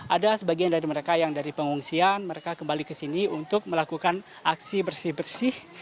ada sebagian dari mereka yang dari pengungsian mereka kembali ke sini untuk melakukan aksi bersih bersih